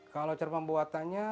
kalau cerpang buatannya